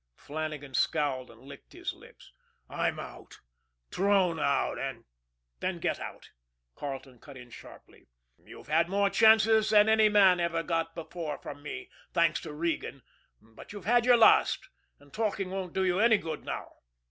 Flannagan scowled and licked his lips. "I'm out, thrown out, and " "Then, get out!" Carleton cut in sharply. "You've had more chances than any man ever got before from me, thanks to Regan; but you've had your last, and talking won't do you any good now."